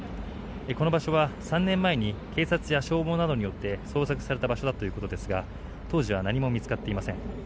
この場所は３年前に警察や消防などによって捜索された場所だということですが当時は何も見つかっていません。